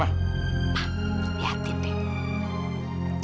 mah lihatin deh